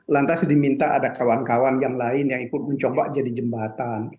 lantas diminta ada kawan kawan yang lain yang ikut mencoba jadi jembatan